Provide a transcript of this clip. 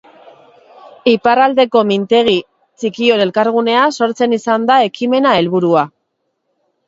Iparraldeko mintegi txikion elkargunea sortzea izan da ekimena helburua